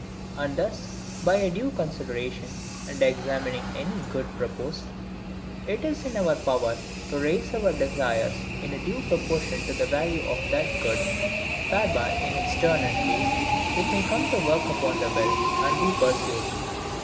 And thus, by a due consideration, and examining any good proposed, it is in our power to raise our desires in a due proportion to the value of that good, whereby in its turn and place it may come to work upon the will, and be pursued.